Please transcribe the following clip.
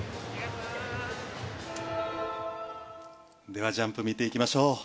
ではジャンプを見ていきましょう。